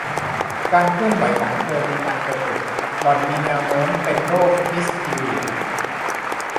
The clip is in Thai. การเคลื่อนไหวของเธอมีการกระตุก หล่อนมีแนวโน้มเป็นโรคฮิสทีเรีย